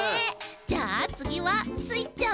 じゃあつぎはスイちゃん！